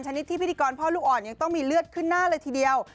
นิดที่พิธีกรพ่อลูกอ่อนยังต้องมีเลือดขึ้นหน้าเลยทีเดียว